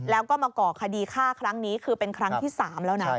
แล้วก็มาก่อคดีฆ่าครั้งนี้คือเป็นครั้งที่๓แล้วนะ